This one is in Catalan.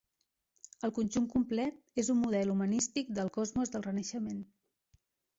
El conjunt complet és un model humanístic del Cosmos del Renaixement.